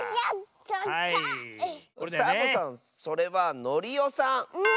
サボさんそれはノリオさん！